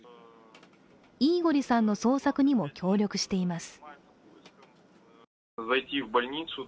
イーゴリさんの捜索にも協力しています。